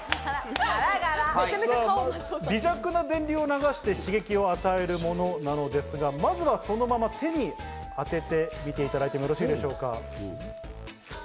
微弱な電流を流して刺激を与えるものなのですが、まずはそのまま手に当ててみていただいてよろしいでしょうか。